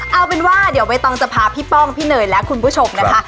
เอาเป็นว่าเดี๋ยวใบตองจะพาพี่ป้องพี่เนยและคุณผู้ชมนะคะ